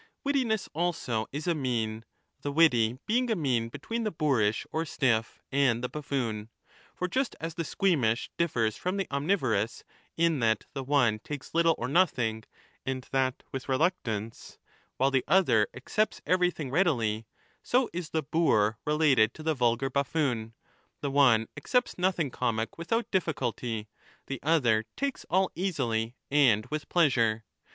Wittiness also is a mean, the witty being a mean between the boorish or stiff 5 and the buffoon. For just as the squeamish differs from the omnivorous in that the one takes little or nothing and that with reluctance, while the other accepts everything readily, so is the boor related to the vulgar buffoon ; the one accepts nothing comic without difficulty, the other takes all easily 10 and with pleasure.